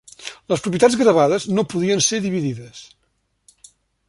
Les propietats gravades no podien ser dividides.